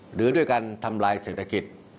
หรือด้วยการทำลายเศรษฐกิจ